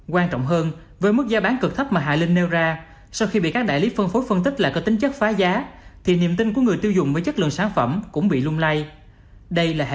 quan trọng hơn với mức giá bán cực thấp mà hà linh nêu ra sau khi bị các đại lý phân phối phân tích lại có tính chất phá giá thì niềm tin của người tiêu dùng với chất lượng sản phẩm cũng bị lung lay